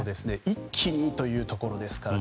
一気にというところですから。